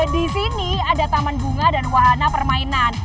disini ada taman bunga dan wahana permainan